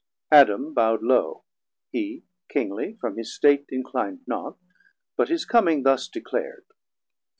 Adam bowd low, hee Kingly from his State Inclin'd not, but his coming thus declar'd.